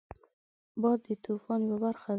باد د طوفان یو برخه ده